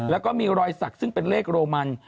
แล้วก็มีรอยสักซึ่งเป็นเลขโรมัน